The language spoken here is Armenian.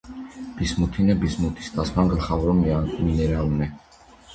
Բիսմութինը բիսմութի ստացման գլխավոր միներալն է։